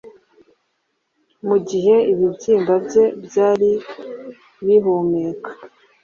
Mugihe ibibyimba bye byari bihumeka